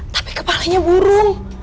tapi kepalanya burung